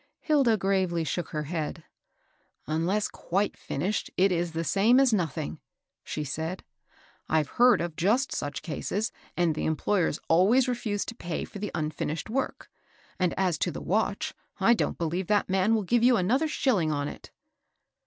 Hilda gravely shook her head. " Unless quite finished, it is the same as noth ing," she said. " I've heard of just such cases, and the employers always refused to pay for the unfinished work. And as to the watch, I don't beUeve that man will give you another shilling on it."